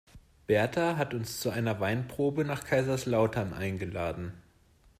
Berta hat uns zu einer Weinprobe nach Kaiserslautern eingeladen.